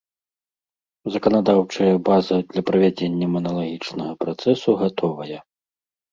Заканадаўчая база для правядзення маналагічнага працэсу гатовая.